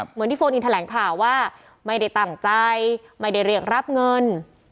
เหมือนที่โฟนอินแถลงข่าวว่าไม่ได้ตั้งใจไม่ได้เรียกรับเงิน